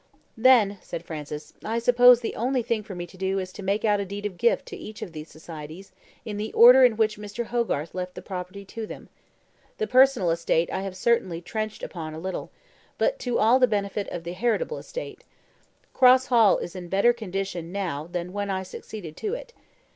"Then," said Francis, "I suppose the only thing for me to do is to make out a deed of gift to each of these societies in the order in which Mr. Hogarth left the property to them. The personal estate I have certainly trenched upon a little, but all to the benefit of the heritable estate. Cross Hall is in better condition now than when I succeeded to it.